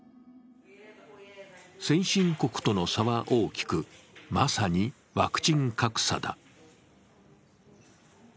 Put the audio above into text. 先進国との差は大きく、まさにワクチン格差だ。